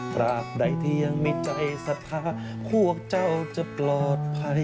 ตราบใดที่ยังมีใจศรัทธาพวกเจ้าจะปลอดภัย